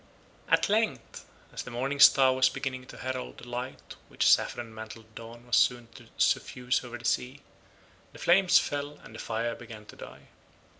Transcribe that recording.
At length as the Morning Star was beginning to herald the light which saffron mantled Dawn was soon to suffuse over the sea, the flames fell and the fire began to die.